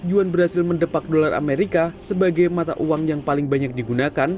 yuan berhasil mendepak dolar amerika sebagai mata uang yang paling banyak digunakan